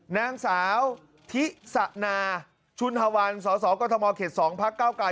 นางสาวธิสะนาชุนธวัลสอสอกธมศ์เขต๒พักเก้าไกล